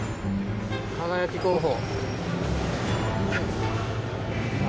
「輝」候補。